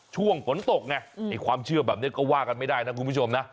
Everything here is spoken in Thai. ช่วงฝนตกไงความเชื่อแบบนี้ก็ว่ากันไม่ได้นะคุณผู้ชมนะ